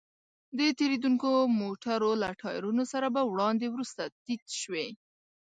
د تېرېدونکو موټرو له ټايرونو سره به وړاندې وروسته تيت شوې.